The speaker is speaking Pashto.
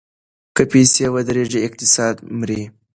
که پیسې ودریږي اقتصاد مري.